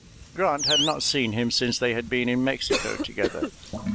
Grant had not seen him since they had been in Mexico together.